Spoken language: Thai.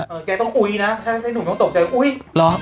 เออแจกต้องอุ๋ยนะให้หนุ่มต้องตกใจ